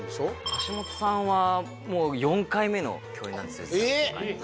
橋本さんはもう４回目の共演なんですよ